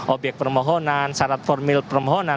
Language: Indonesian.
obyek permohonan syarat formil permohonan